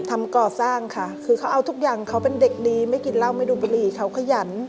ทำก่อสร้างค่ะคือเขาเอาทุกอย่างเขาเป็นเด็กดีไม่กินเหล้าไม่ดูบุหรี่เขาขยัน